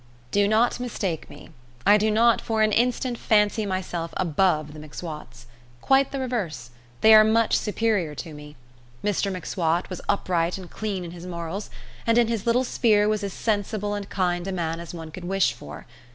Do not mistake me. I do not for an instant fancy myself above the M'Swats. Quite the reverse; they are much superior to me. Mr M'Swat was upright and clean in his morals, and in his little sphere was as sensible and kind a man as one could wish for.